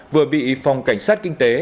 vừa bị phòng cảnh sát kinh tế